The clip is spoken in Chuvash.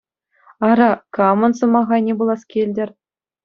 Ара, камӑн сӑмах айне пулас килтӗр?